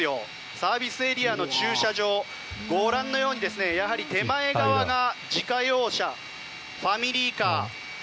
サービスエリアの駐車場ご覧のように手前側が自家用車、ファミリーカー。